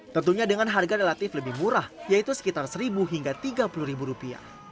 tentunya dengan harga relatif lebih murah yaitu sekitar seribu hingga tiga puluh ribu rupiah